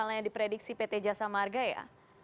kalau misalnya diprediksi pt jasa marga ya